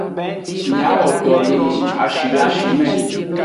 Miawo do le ashi le ashime.